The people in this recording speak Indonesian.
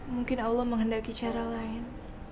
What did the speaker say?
mungkin allah menghendaki cara lain